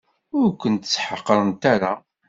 Ur kent-ssḥeqrent ara.